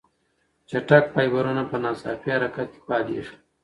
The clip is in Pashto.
چټک فایبرونه په ناڅاپي حرکت کې فعالېږي.